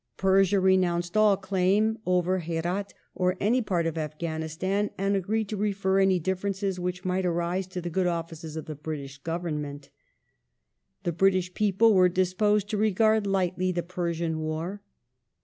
Persia renounced all claim over Herat or any part of Afghanistan, and agreed to refer any differences which might arise to the good offices of the British Government. The British public was disposed to regard lightly the Pei sian War.